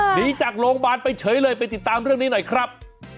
หนีจากโรงพยาบาลไปเฉยเลยไปติดตามเรื่องนี้หน่อยครับ